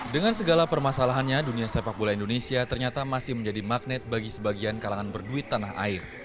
dengan segala permasalahannya dunia sepak bola indonesia ternyata masih menjadi magnet bagi sebagian kalangan berduit tanah air